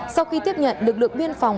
sau khi tiếp nhận lực lượng biên phòng